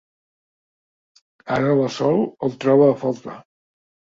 Ara la Sol el troba a faltar.